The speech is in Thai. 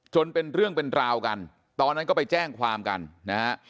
เป็นเรื่องเป็นราวกันตอนนั้นก็ไปแจ้งความกันนะฮะ